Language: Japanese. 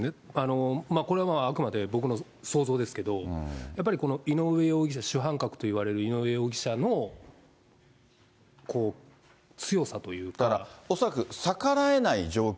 これはあくまで僕の想像ですけど、やっぱりこの井上容疑者、主犯格といわれる井上容疑者の、だから恐らく、逆らえない状況。